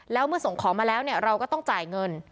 แล้วเมื่อส่งของมาแล้วเราก็ต้องจ่ายเงิน